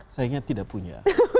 saya tidak punya